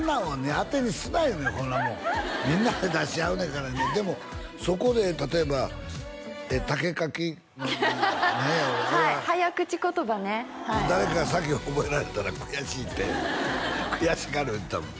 当てにすないうねんこんなもんみんなで出し合うねんからねでもそこで例えば「竹垣」何やはい早口言葉ね誰かが先覚えられたら悔しいって悔しがる言うてたもん